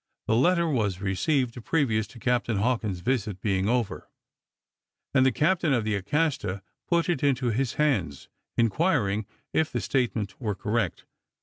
The letter was received previous to Captain Hawkins' visit being over; and the captain of the Acasta put it into his hands, inquiring if the statement were correct.